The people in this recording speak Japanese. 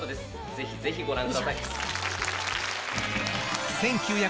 ぜひぜひご覧ください。